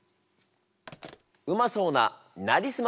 うまそうな「なりすまし」一丁！